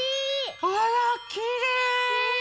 あらきれい！